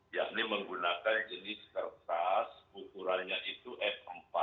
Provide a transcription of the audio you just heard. yang ini menggunakan jenis kertas ukurannya itu f empat